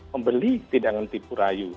membeli tidak menghenti purayu